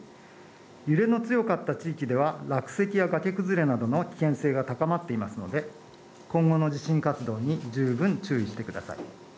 揺れの強かった地域では落石や崖崩れなどの危険性が高まっていますので、今後の地震活動に十分注意してください。